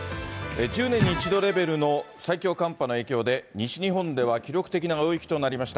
１０年に一度レベルの最強寒波の影響で、西日本では記録的な大雪となりました。